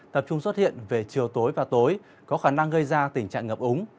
tập trung xuất hiện về chiều tối và tối có khả năng gây ra tình trạng ngập úng